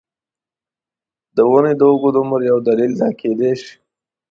د ونې د اوږد عمر یو دلیل دا کېدای شي.